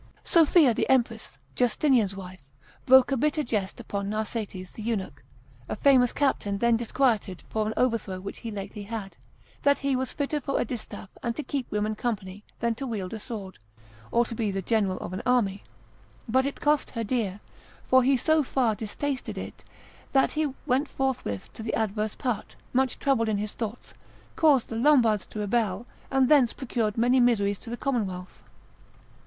Sophia the empress, Justinian's wife, broke a bitter jest upon Narsetes the eunuch, a famous captain then disquieted for an overthrow which he lately had: that he was fitter for a distaff and to keep women company, than to wield a sword, or to be general of an army: but it cost her dear, for he so far distasted it, that he went forthwith to the adverse part, much troubled in his thoughts, caused the Lombards to rebel, and thence procured many miseries to the commonwealth.